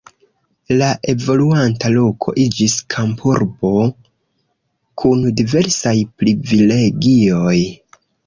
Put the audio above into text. La evoluanta loko iĝis kampurbo kun diversaj privilegioj.